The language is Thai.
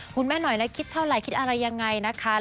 คุณแม่หน่อยนะคิดเท่าไหร่คิดอะไรยังไงนะคะ